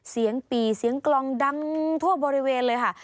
เสียงปี่เสียงกลองดังทั่วบริเวณเลยค่ะ